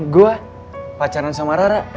gue pacaran sama rara